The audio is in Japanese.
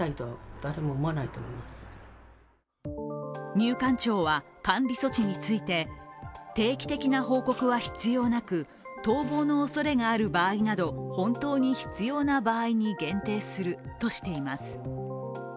入管庁は監理措置について定期的な報告は必要なく逃亡のおそれがある場合など本当に必要な場合に限定するとしています。